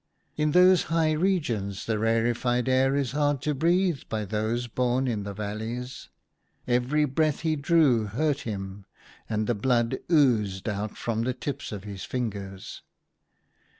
In those high regions the rarefied air is hard to breathe by those born in the valleys ; every breath he drew hurt him, and the blood oozed out from the tips of his fingers.